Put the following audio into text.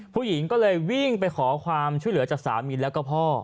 ผู้หญิงก็เลยวิ่งไปขอความช่วยเหลือจากสามีแล้วก็พ่อ